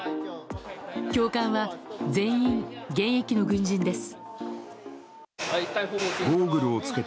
教官は全員、現役の軍人です。